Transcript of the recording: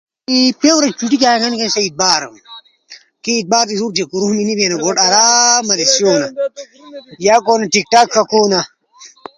می فیورت چُٹی کامیک ہنو کنأ سی اتوار ہنو۔ کے اتوار دیس اسو تی کوروم نی بینو۔ گوٹے آراما رسیونا۔ یا کونی ٹک ٹاک ݜکونا،